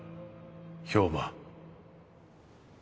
兵馬